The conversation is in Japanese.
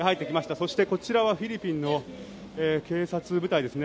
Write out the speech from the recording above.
そして、こちらはフィリピンの警察部隊ですね。